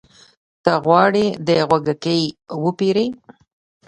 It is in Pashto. ته غواړې د غوږيکې وپېرې؟